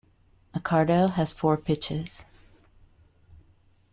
Accardo has four pitches.